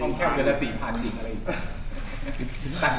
ต้องใช้เงินละ๔๐๐๐บาทจริงอะไรอย่างนี้